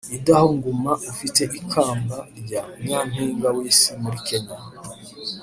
Idah Nguma ufite ikamba rya Nyampinga w’Isi muri Kenya